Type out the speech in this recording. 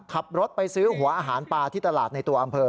ขับรถไปซื้อหัวอาหารปลาที่ตลาดในตัวอำเภอ